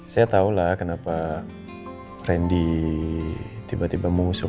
saya tahulah kenapa randy tiba tiba mengusuknya itu sama aku